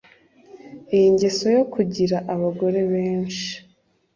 Iyi ngeso yo kugira abagore benshi